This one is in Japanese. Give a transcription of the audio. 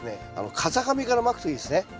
風上からまくといいですね。